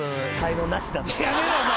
やめろお前。